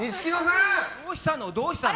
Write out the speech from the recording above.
どうしたの？